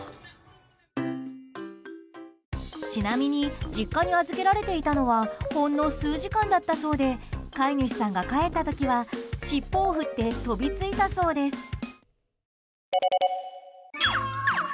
ちなみに実家に預けられていたのはほんの数時間だったそうで飼い主さんが帰った時は尻尾を振って飛びついたそうです。